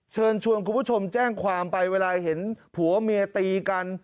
เชิญชวนคุณผู้ชมแจ้งความไปเวลาเห็นผัวเมียตีกัน